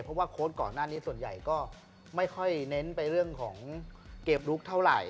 เพราะว่าโค้ดก่อนหน้านี้ส่วนใหญ่ก็ไม่ค่อยเน้นไปเรื่องของเกมลุกเท่าไหร่